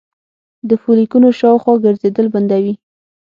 د فولیکونو شاوخوا ګرځیدل بندوي